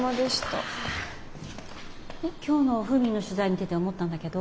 今日のフーミンの取材見てて思ったんだけど。